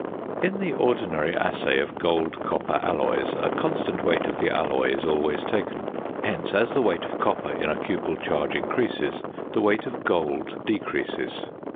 In the ordinary assay of gold copper alloys a constant weight of the alloy is always taken; hence as the weight of copper in a cupel charge increases, the weight of gold decreases.